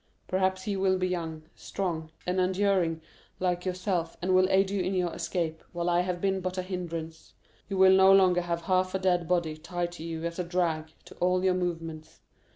Perhaps he will be young, strong, and enduring, like yourself, and will aid you in your escape, while I have been but a hindrance. You will no longer have half a dead body tied to you as a drag to all your movements.